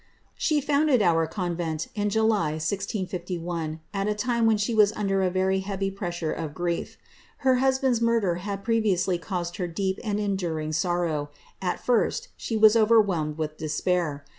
^^She founded our convent, in July, 1651, at a time when she was under a very heavy pressure of grief. Her husband's murder had pre viously caused her deep and enduring sorrow ; at first, she was over whelmed with despair.